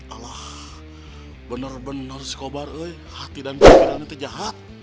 alah bener bener si cobra hati dan pikiran itu jahat